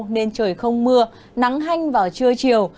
nên trời không mưa nắng hanh vào trưa chiều